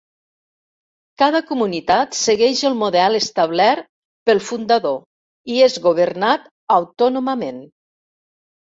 Cada comunitat segueix el model establert pel fundador i és governat autònomament.